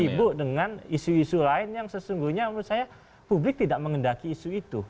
sibuk dengan isu isu lain yang sesungguhnya menurut saya publik tidak mengendaki isu itu